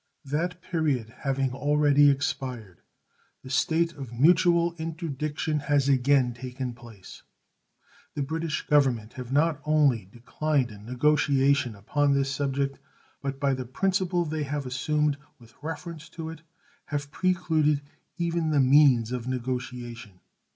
That period having already expired, the state of mutual interdiction has again taken place. The British Government have not only declined negotiation upon this subject, but by the principle they have assumed with reference to it have precluded even the means of negotiation.